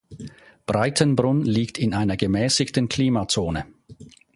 Breitenbrunn liegt in einer gemäßigten Klimazone.